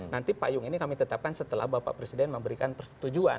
nanti payung ini kami tetapkan setelah bapak presiden memberikan persetujuan